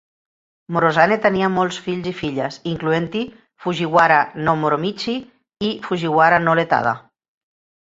Morozane tenia molts fills i filles, incloent-hi Fujiwara no Moromichi i Fujiwara no Ietada.